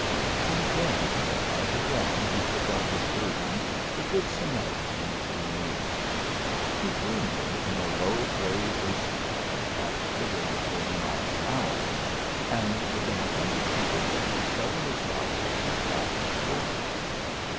And then, as again he took up his burden, the Good Samaritan drew near. He drew near in a low gray racing car at the rate of forty miles an hour, and within a hundred feet of Jimmie suddenly stopped and backed toward him.